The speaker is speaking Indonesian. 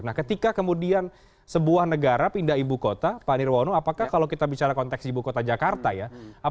nah ketika kemudian sebuah negara pindah ibu kota pak nirwono apakah kalau kita bicara konteks ibu kota jakarta ya